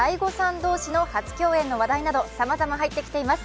同士の初共演の話題などさまざま入ってきています。